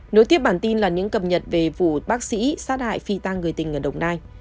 nối tiếp bản tin là những cập nhật về vụ bác sĩ sát hại phi tăng người tình ở đồng nai